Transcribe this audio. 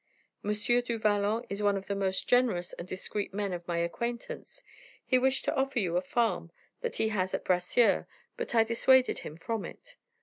M. du Vallon is one of the most generous and discreet men of my acquaintance. He wished to offer you a farm that he has at Bracieux, but I dissuaded him from it."